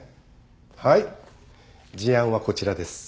はい事案はこちらです。